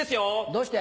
どうして？